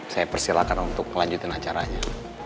saya persilakan untuk melanjutkan acaranya